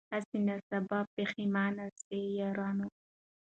هسي نه سبا پښېمانه سی یارانو